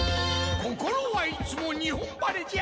心はいつも日本晴れじゃ。